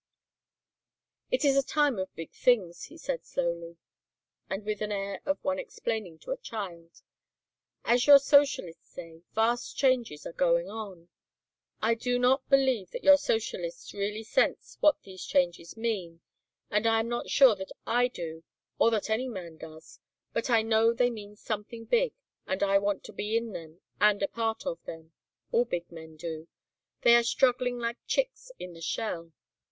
"It is a time of big things," he said slowly and with an air of one explaining to a child. "As your socialists say, vast changes are going on. I do not believe that your socialists really sense what these changes mean, and I am not sure that I do or that any man does, but I know they mean something big and I want to be in them and a part of them; all big men do; they are struggling like chicks in the shell.